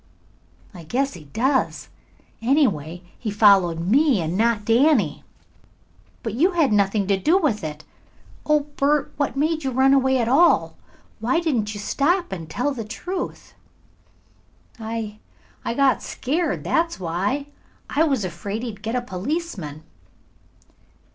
"I guess he does. Anyway, he followed me and not Danny." "But you had nothing to do with it. Oh, Bert, what made you run away at all. Why didn't you stop and tell the truth?" "I I got scared, that's why. I was afraid he'd get a policeman."